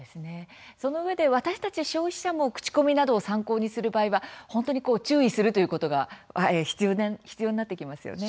その上で私たち消費者も口コミなどを参考にする場合は本当にこう注意するということが必要になってきますよね。